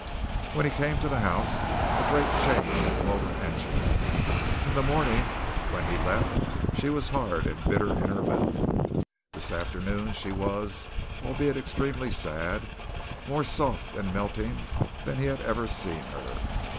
When he came to the house, a great change had come over Angela. In the morning when he left she was hard and bitter in her mood. This afternoon she was, albeit extremely sad, more soft and melting than he had ever seen her.